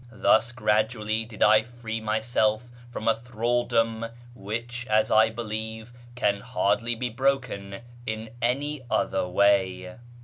Thus gradually did I free myself from a thraldom which, as I believe, can hardly be broken in any other way.